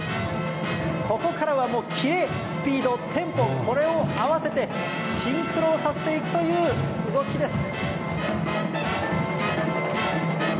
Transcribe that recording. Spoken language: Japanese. ここからは、もうキレ、スピード、テンポ、これを合わせて、シンクロさせていくという動きです。